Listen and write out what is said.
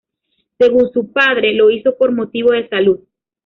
Según su padre, lo hizo por motivo de salud.